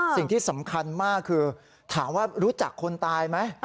สิ่งที่สำคัญมากคือถามว่ารู้จักคนตายไหม